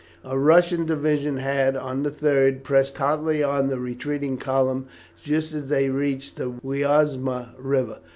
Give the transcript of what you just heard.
A Russian division had, on the 3rd, pressed hotly on the retreating column just as they reached the Wiazma river.